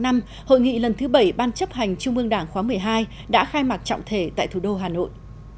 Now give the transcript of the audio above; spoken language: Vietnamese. năm hội nghị lần thứ bảy ban chấp hành trung ương đảng khóa một mươi hai đã khai mạc trọng thể tại thủ đô hà nội